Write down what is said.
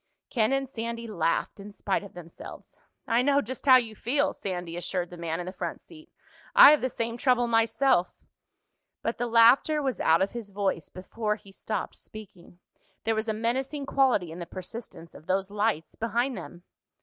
Ken and Sandy laughed in spite of themselves. "I know just how you feel," Sandy assured the man in the front seat. "I have the same trouble myself." But the laughter was out of his voice before he stopped speaking. There was a menacing quality in the persistence of those lights behind them.